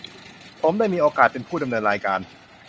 ผมได้มีโอกาสเป็นผู้ดำเนินรายการ